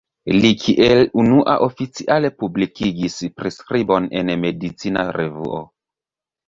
Li kiel unua oficiale publikigis priskribon en medicina revuo.